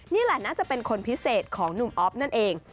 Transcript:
นี่แหละน่าจะเป็นคนพิเศษของหนุ่มอ๊อฟนั่นเอง